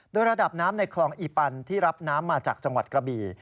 โดยระดับน้ำในคลองอีปันที่รับน้ำมาจากจังหวัดกระบี่